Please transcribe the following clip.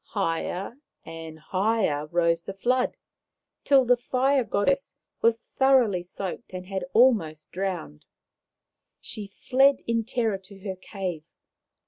Higher and higher rose the flood, till the Fire Goddess was thoroughly soaked and almost drowned. She fled in terror to her cave.